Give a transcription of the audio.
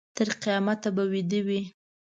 تر قیامته به ویده وي.